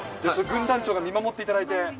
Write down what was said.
が見守っていただいて。